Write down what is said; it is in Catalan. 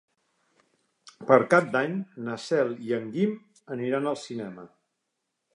Per Cap d'Any na Cel i en Guim aniran al cinema.